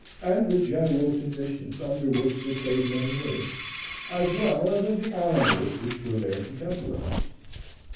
and the general conditions under which the cave men lived, as well as of the animals which were their contemporaries.